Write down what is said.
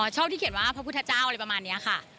ชอบที่เขียนว่าพระพุทธเจ้าอะไรประมาณนี้ค่ะ